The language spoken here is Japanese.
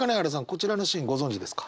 こちらのシーンご存じですか？